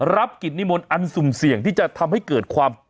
รับกิจนิมนต์อันสุ่มเสี่ยงที่จะทำให้เกิดความ